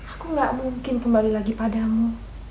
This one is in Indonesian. aku gak mungkin kembali lagi padamu